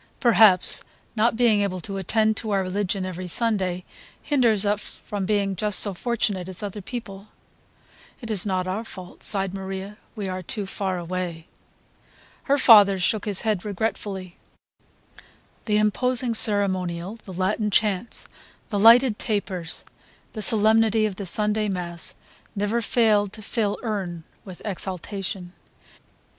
Perhaps not being able to attend to our religion every Sunday hinders us from being just so fortunate as other people." "It is not our fault," sighed Maria, "we are too far away." Her father shook his head regretfully. The imposing ceremonial, the Latin chants, the lighted tapers, the solemnity of the Sunday mass never failed to fill him with exaltation.